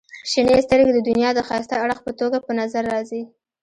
• شنې سترګې د دنیا د ښایسته اړخ په توګه په نظر راځي.